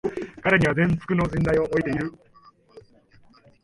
彼には全幅の信頼を置いている